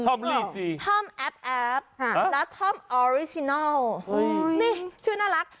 ท่อมลี่สี่ท่อมแอบแอบและท่อมออริจินัลนี่ชื่อน่ารัก